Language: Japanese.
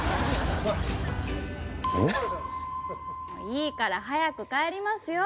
いいから早く帰りますよ。